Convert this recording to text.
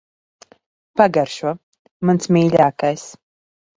Pagaršo. Mans mīļākais.